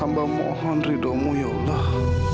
amba mohon ridomu ya allah